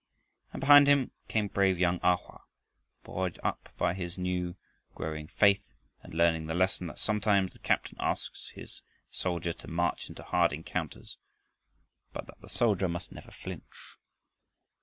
And behind him came brave young A Hoa, buoyed up by his new growing faith, and learning the lesson that sometimes the Captain asks his soldier to march into hard encounters, but that the soldier must never flinch.